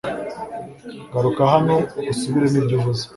garuka hano usubiremo ibyo uvuze